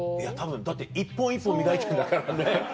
だって一本一本磨いてんだからね。